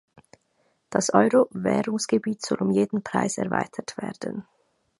Das Euro-Währungsgebiet soll um jeden Preis erweitert werden.